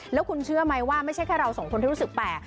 แล้วคุณเชื่อไหมว่าไม่ใช่แค่เราสองคนที่รู้สึกแปลก